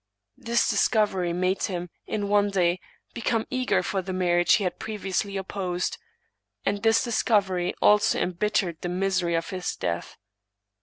This discovery made him, in one day, become eager for the marriage he had previously opposed ; and this discovery also embittered the misery of his death.